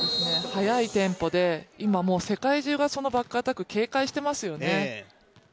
速いテンポで今、世界中がそのバックアタックを警戒していますよね。